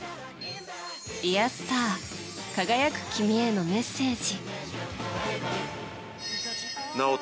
ディア・スター輝く君へのメッセージ。